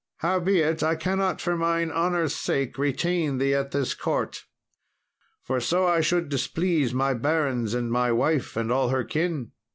"Howbeit, I cannot for mine honour's sake retain thee at this court, for so I should displease my barons, and my wife, and all her kin."